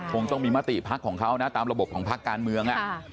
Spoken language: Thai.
คงต้องมีมติพักของเขานะตามระบบของพักการเมือง